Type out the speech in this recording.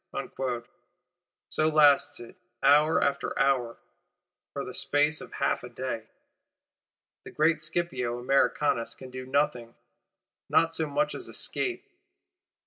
So lasts it, hour after hour; for the space of half a day. The great Scipio Americanus can do nothing; not so much as escape.